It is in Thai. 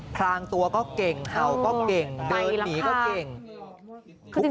พรางตัวก็เก่งเห่าก็เก่งเดินผีก็เก่ง